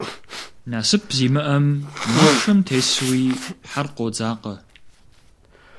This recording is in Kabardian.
Насып зимыӏэм, махъшэм тесууи, хьэр къодзакъэ.